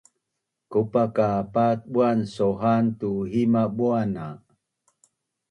Kopa ka pat buan soha’an tu hima buan na